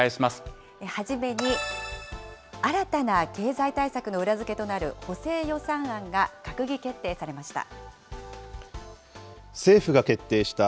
初めに、新たな経済対策の裏付けとなる補正予算案が閣議決定されました。